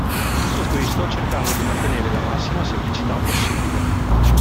Tutto questo cercando di mantenere la massima semplicità possibile.